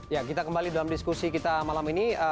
ya kita kembali dalam diskusi kita malam ini